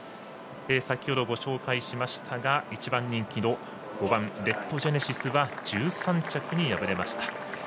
先ほどご紹介しましたが１番人気の５番レッドジェネシスは１３着に敗れました。